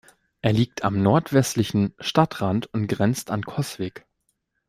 Er liegt am nordwestlichen Stadtrand und grenzt an Coswig.